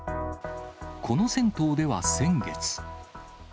この銭湯では先月。